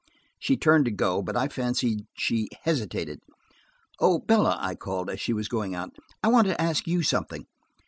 She turned to go, but I fancied she hesitated. "Oh, Bella," I called, as she was going out, "I want to ask you something.